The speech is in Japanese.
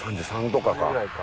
３３とかか。